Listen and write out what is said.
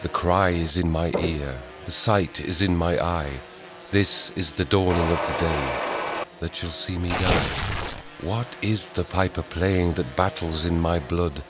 The cry is in my ear, The sight is in my eye, This is the dawning of the day That shall see me die : What is the piper playing That battles in my blood